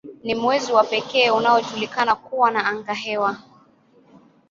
Ni mwezi wa pekee unaojulikana kuwa na angahewa.